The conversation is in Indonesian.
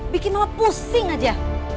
bikin mama pusing aja